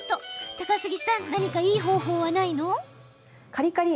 高杉さん何かいい方法はないの？